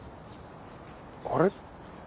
あれ？